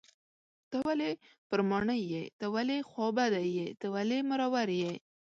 ته ولې پر ماڼي یې .ته ولې خوابدی یې .ته ولې مرور یې